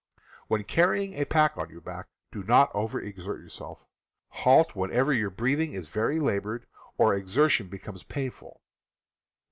When carrying a pack on your back, do not over exert yourself. Halt whenever your breathing is very ^ o, . labored or exertion becomes painful.